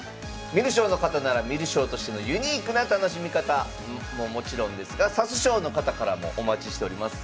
観る将の方なら観る将としてのユニークな楽しみ方ももちろんですが指す将の方からもお待ちしております。